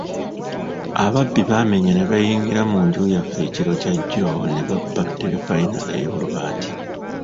Ababbi baamenye ne bayingira mu nju yaffe ekiro kya jjo ne babba terefalina ey'olubaati.